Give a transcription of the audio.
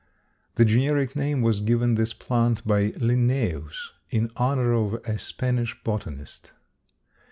The generic name was given this plant by Linnæus in honor of a Spanish botanist.